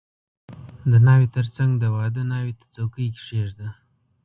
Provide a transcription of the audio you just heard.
• د ناوې تر څنګ د واده ناوې ته څوکۍ کښېږده.